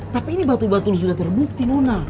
tapi ini batu batul sudah terbukti nona